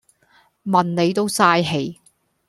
問你都嘥氣